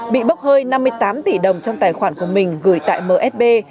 bị bốc hơi năm mươi tám tỷ đồng trong tài khoản của mình gửi tại msb